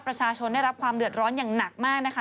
ประชาชนได้รับความเดือดร้อนอย่างหนักมากนะคะ